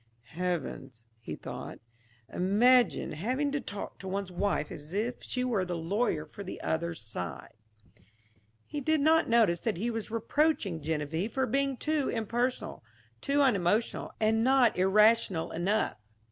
"Heavens," he thought, "imagine having to talk to one's wife as if she were the lawyer for the other side." He did not notice that he was reproaching Geneviève for being too impersonal, too unemotional and not irrational enough.